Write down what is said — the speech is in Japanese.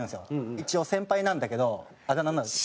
一応先輩なんだけどあだ名なんだっけ？